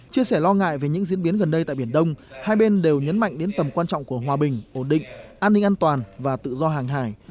chia sẻ lo ngại về những diễn biến gần đây tại biển đông hai bên đều nhấn mạnh đến tầm quan trọng của hòa bình ổn định an ninh an toàn và tự do hàng hải